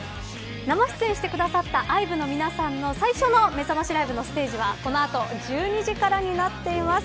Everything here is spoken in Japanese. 生出演してくださったＩＶＥの皆さんの最初のめざましライブはこの後１２時からになっています。